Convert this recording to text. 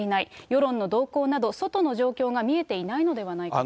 世論の動向など、外の状況が見えていないのではないか。